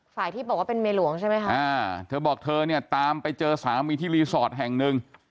ที่บอกว่าเป็นเมียหลวงใช่ไหมคะอ่าเธอบอกเธอเนี่ยตามไปเจอสามีที่รีสอร์ทแห่งหนึ่ง